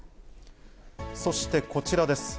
そしてこちらです。